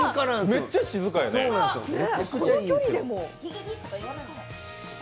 めっちゃ静かやね。